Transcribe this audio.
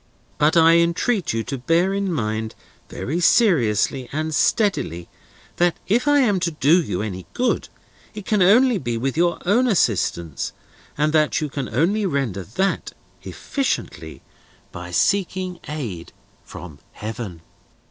But I entreat you to bear in mind, very seriously and steadily, that if I am to do you any good, it can only be with your own assistance; and that you can only render that, efficiently, by seeking aid from Heaven."